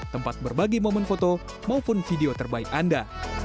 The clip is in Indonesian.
tempat berbagi momen foto maupun video terbaik anda